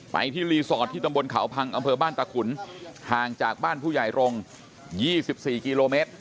ไปที่รีสอร์ทที่ตำบลเขาพังอำเภอบ้านตะขุนห่างจากบ้านผู้ใหญ่รงค์๒๔กิโลเมตร